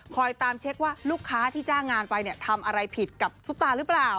ตามเช็คว่าลูกค้าที่จ้างงานไปทำอะไรผิดกับซุปตาหรือเปล่า